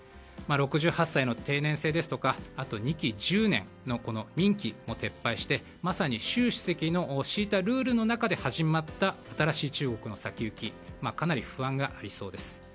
６８歳の定年制ですとかあと２期１０年の任期も撤廃してまさに習主席の敷いたルールの中で始まった新しい中国の先行きかなり不安がありそうです。